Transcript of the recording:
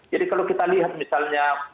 jadi kalau kita lihat misalnya